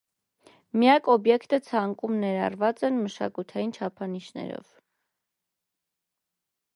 Միակ օբյեկտը ցանկում ներառված են մշակութային չափանիշներով։